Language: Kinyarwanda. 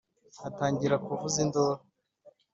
atangira kuvuza induru